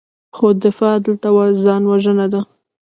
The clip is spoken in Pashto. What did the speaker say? خو دفاع دلته ځان وژنه ده.